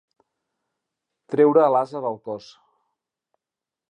Treure l'ase del cos.